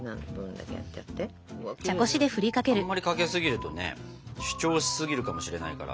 あんまりかけすぎるとね主張しすぎるかもしれないから。